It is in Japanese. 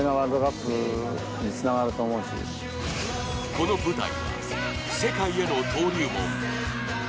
この舞台は、世界への登竜門。